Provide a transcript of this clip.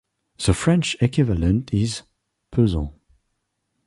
The French equivalent is "pesant".